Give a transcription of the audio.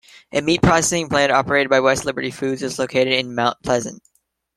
A meat processing plant operated by West Liberty Foods is located in Mount Pleasant.